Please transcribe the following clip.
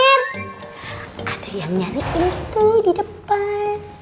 ada yang nyariin itu di depan